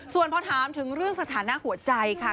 ส่วนพอถามถึงเรื่องสถานะหัวใจค่ะ